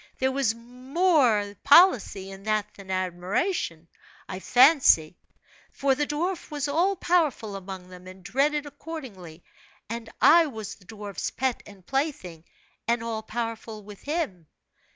There was more policy in that than admiration, I fancy; for the dwarf was all powerful among them and dreaded accordingly, and I was the dwarf's pet and plaything, and all powerful with him.